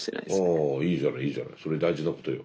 ああいいじゃないいいじゃないそれ大事なことよ。